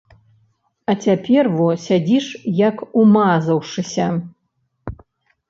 А цяпер во сядзіш, як умазаўшыся!